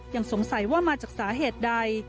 ยังสงสัยว่ามาจากสาเหตุใด